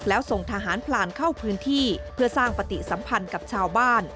แล้วส่งทหารพลานเข้าพื้นที่เพื่อสร้างปฏิสัมพันธ์กับชาวบ้าน